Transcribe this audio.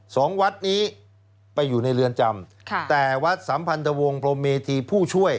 สองวัดนี้ไปอยู่ในเรือนจำค่ะแต่วัดสัมพันธวงศ์พรมเมธีผู้ช่วย